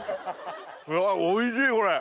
うわおいしいこれ。